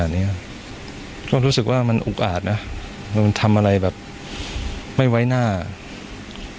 ถ้าคุณคิดเป็นลูกจริงก็ไม่ควรทำเหตุิก